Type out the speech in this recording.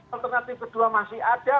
alternatif kedua masih ada